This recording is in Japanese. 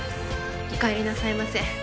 おかえりなさいませ。